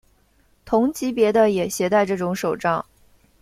同级别的也携带这种手杖。